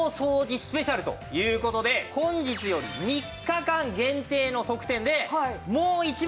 スペシャルという事で本日より３日間限定の特典でもう１枚